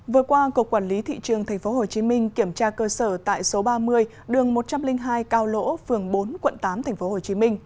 vừa qua cục quản lý thị trường tp hcm kiểm tra cơ sở tại số ba mươi đường một trăm linh hai cao lỗ phường bốn quận tám tp hcm